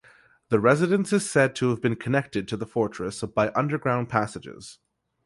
The residence is said to have been connected to the fortress by underground passages.